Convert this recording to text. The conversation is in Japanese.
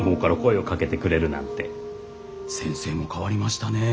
先生も変わりましたね。